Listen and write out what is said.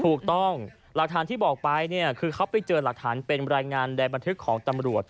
หลักฐานที่บอกไปเนี่ยคือเขาไปเจอหลักฐานเป็นรายงานใดบันทึกของตำรวจ